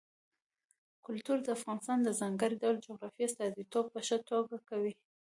کلتور د افغانستان د ځانګړي ډول جغرافیې استازیتوب په ښه توګه کوي.